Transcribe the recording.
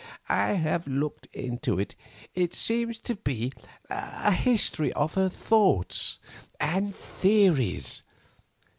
"I have looked into it; it seems to be a history of her thoughts and theories.